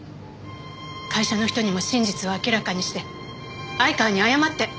会社の人にも真実を明らかにして相川に謝って。